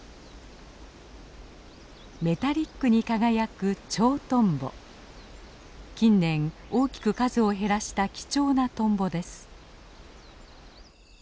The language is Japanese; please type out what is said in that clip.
メタリックに輝く近年大きく数を減らした貴重なトンボです。